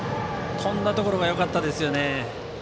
飛んだところがよかったですね。